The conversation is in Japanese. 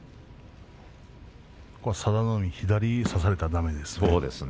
佐田の海左を差されたらだめですね。